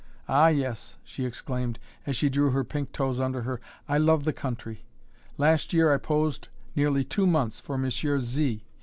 Ah yes," she exclaimed, as she drew her pink toes under her, "I love the country! Last year I posed nearly two months for Monsieur Z.